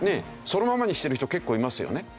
そのままにしてる人結構いますよね。